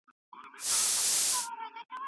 داخل کیدل د اجازې غوښتنه کوي.